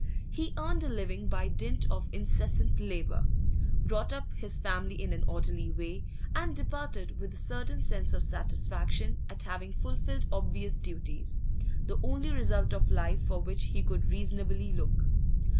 He earned a living by dint of incessant labour, brought up his family in an orderly way, and departed with a certain sense of satisfaction at having fulfilled obvious duties the only result of life for which he could reasonably look.